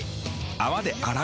泡で洗う。